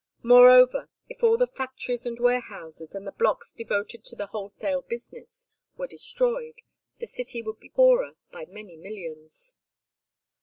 Moreover, if all the factories and warehouses, and the blocks devoted to the wholesale business, were destroyed, the city would be poorer by many millions.